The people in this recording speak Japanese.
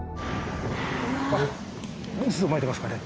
あっ渦を巻いてますかね？